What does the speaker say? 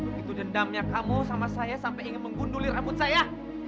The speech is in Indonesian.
begitu dendamnya kamu sama saya sampai ingin menggunduli rambut saya